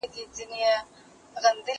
هغه څوک چي کالي مينځي پاک اوسي!؟